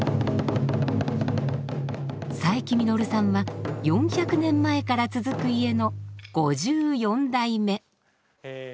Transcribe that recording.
佐伯実さんは４００年前から続く家の５４代目。